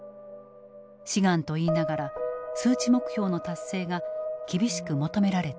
志願と言いながら数値目標の達成が厳しく求められていた。